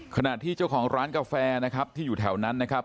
ขณะที่เจ้าของร้านกาแฟนะครับที่อยู่แถวนั้นนะครับ